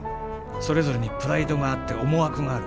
それぞれにプライドがあって思惑がある。